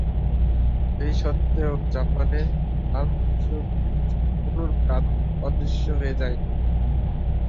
এই সত্ত্বেও জাপানে লাল মাংস ভোজন সম্পূর্ণরূপে অদৃশ্য হয়ে যায়নি।